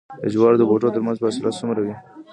د جوارو د بوټو ترمنځ فاصله څومره وي؟